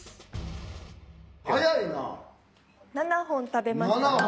７本食べました。